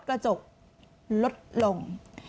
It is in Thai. กระจกลดลง